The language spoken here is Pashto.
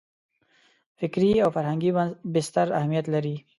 فکري او فرهنګي بستر اهمیت لري.